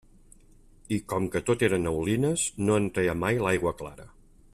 I com que tot eren aulines, no en treia mai l'aigua clara.